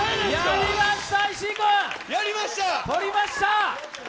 やりました！